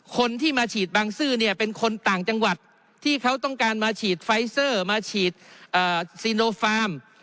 คนที่มาฉีดบางซื่อเนี่ยเป็นคนต่างจังหวัดที่เขาต้องการมาฉีดไฟเซอร์มาฉีดซีโนฟาร์ม